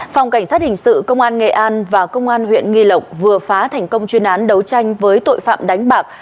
phòng cảnh sát hình sự công an nghệ an và công an huyện nghi lộc vừa phá thành công chuyên án đấu tranh với tội phạm đánh bạc